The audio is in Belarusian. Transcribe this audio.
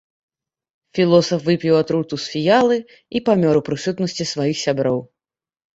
Філосаф выпіў атруту з фіялы і памёр у прысутнасці сваіх сяброў.